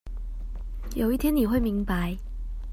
有一天你會明白